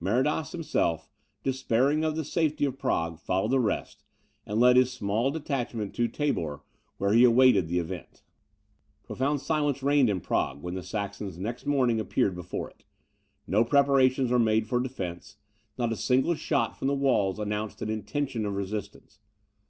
Maradas himself, despairing of the safety of Prague, followed the rest, and led his small detachment to Tabor, where he awaited the event. Profound silence reigned in Prague, when the Saxons next morning appeared before it; no preparations were made for defence; not a single shot from the walls announced an intention of resistance.